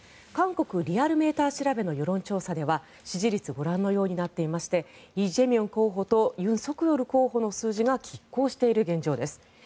韓国リアルメーター調べの世論調査では支持率ご覧のようになっていましてイ・ジェミョン候補とユン・ソクヨル候補の数字がきっ抗している現状です。